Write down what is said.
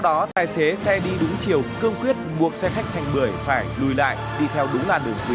đó tài xế xe đi đúng chiều cơm quyết buộc xe khách thành bưởi phải lùi lại đi theo đúng làn đường quy